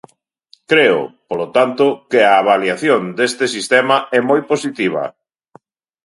Creo, polo tanto, que a avaliación deste sistema é moi positiva.